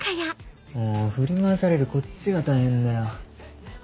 もう振り回されるこっちが大変だよ。